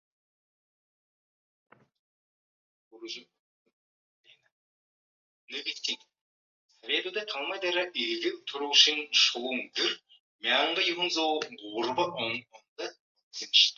Трафальгарсквер дэх усан оргилуурын ёроолыг төнхөж үзэхээ мартаагүй биз?